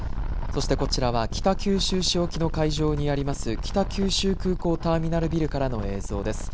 そして、こちらは北九州市沖の海上にあります北九州空港ターミナルビルからの映像です。